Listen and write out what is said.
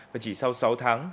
và chỉ sau sáu tháng